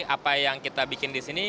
kalau bagi anda apa yang kita buat di sini